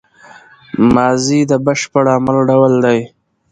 ماضي د بشپړ عمل ډول دئ.